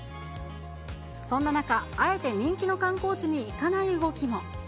そんな中、あえて人気の観光地に行かない動きも。